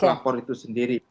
pelapor itu sendiri